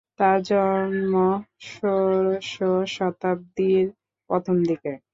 তাঁর জন্ম ষোড়শ শতাব্দীর প্রথম দিকে।